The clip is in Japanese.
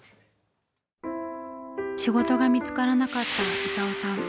仕事が見つからなかった功さん。